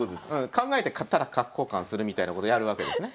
考えてただ角交換するみたいなことやるわけですね。